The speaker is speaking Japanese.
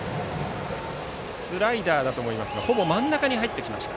スライダーだと思いますがほぼ真ん中に入ってきました。